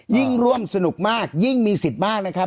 ร่วมสนุกมากยิ่งมีสิทธิ์มากนะครับ